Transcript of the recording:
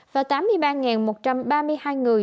và tám mươi ba một trăm ba mươi hai người